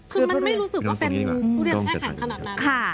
คือมันไม่รู้สึกว่าเป็นทุเรียนแช่แข็งขนาดนั้น